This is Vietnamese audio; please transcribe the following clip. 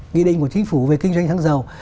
nghị định của chính phủ về kinh doanh xăng dầu